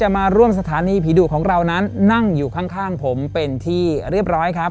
มาร่วมสถานีผีดุของเรานั้นนั่งอยู่ข้างผมเป็นที่เรียบร้อยครับ